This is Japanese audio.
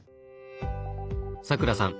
さくらさん